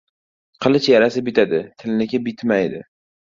• Qilich yarasi bitadi, tilniki bitmaydi.